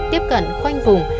tiếp cận khoanh vùng